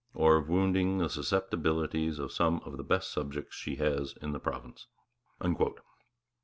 or of wounding the susceptibilities of some of the best subjects she has in the province.'